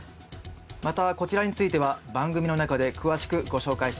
またこちらについては番組の中で詳しくご紹介したいと思います。